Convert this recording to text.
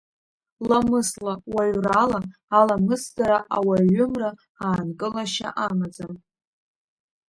Ламысла, уаҩрала, аламысдара, ауаҩымра аанкылашьа амаӡам.